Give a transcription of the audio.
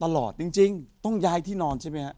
ตลอดจริงต้องย้ายที่นอนใช่มั้ยครับ